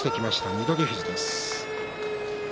翠富士です。